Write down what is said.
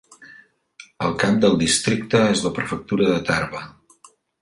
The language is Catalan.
El cap del districte és la prefectura de Tarba.